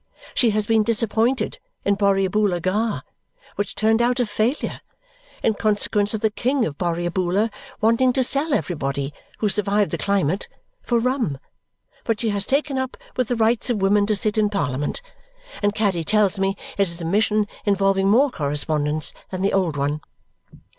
She has been disappointed in Borrioboola Gha, which turned out a failure in consequence of the king of Borrioboola wanting to sell everybody who survived the climate for rum, but she has taken up with the rights of women to sit in Parliament, and Caddy tells me it is a mission involving more correspondence than the old one.